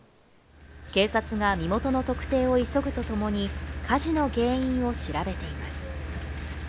警察が身元の特定を急ぐとともに火事の原因を調べています。